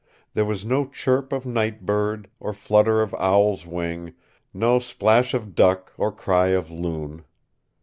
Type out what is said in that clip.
There was no chirp of night bird, or flutter of owl's wing, no plash of duck or cry of loon.